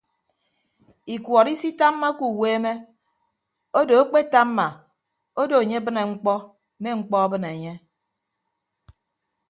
Ikuọt isitammake uweeme odo akpetamma odo enye abịne mkpọ me mkpọ abịne enye.